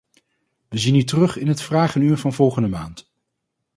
We zien u terug in het vragenuur van volgende maand.